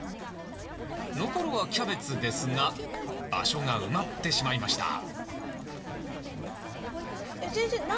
残るはキャベツですが場所が埋まってしまいましたえっ先生